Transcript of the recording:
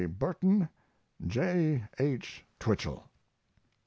BURTON. J. H. TWICHELL.